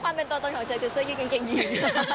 อ๋อถ้าเป็นตัวตนของฉันคือเสื้ออินกังเกงอิน